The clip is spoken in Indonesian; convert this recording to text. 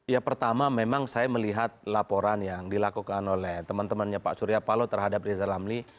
ya pertama memang saya melihat laporan yang dilakukan oleh teman temannya pak surya palo terhadap riza ramli